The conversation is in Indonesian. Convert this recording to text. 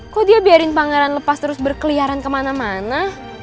kok dia biarin pangeran lepas terus berkeliaran kemana mana